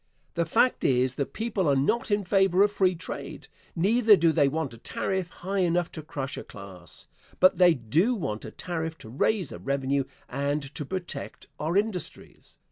The fact is the people are not in favor of free trade, neither do they want a tariff high enough to crush a class, but they do want a tariff to raise a revenue and to protect our industries.